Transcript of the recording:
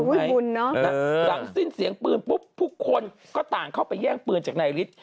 หลังสิ้นเสียงปืนปุ๊บทุกคนก็ต่างเข้าไปแย่งปืนจากนายฤทธิ์